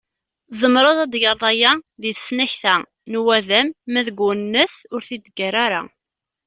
Tzemreḍ ad tegreḍ aya deg tesnakta n uwadem ma deg uwennet ur t-id-ggar ara.